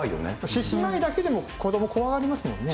獅子舞だけでも子ども、怖がりますもんね。